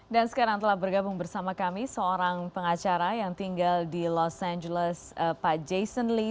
dan sekarang telah bergabung bersama kami seorang pengacara yang tinggal di los angeles pak jason lee